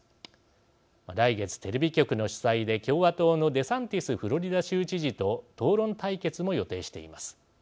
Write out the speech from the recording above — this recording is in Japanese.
来月テレビ局の主催で共和党のデサンティスフロリダ州知事と討論対決も予定しています。